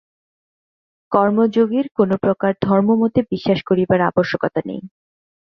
কর্মযোগীর কোন প্রকার ধর্মমতে বিশ্বাস করিবার আবশ্যকতা নাই।